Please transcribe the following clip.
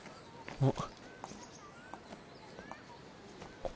あっ。